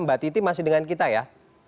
mbak titi masih dengan kita ya